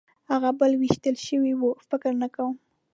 هغه بل وېشتل شوی و؟ فکر نه کوم.